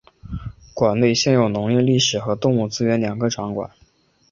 馆内现有农业历史和动物资源两个展馆。